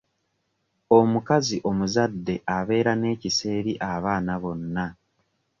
Omukazi omuzadde abeera n'ekisa eri abaana bonna.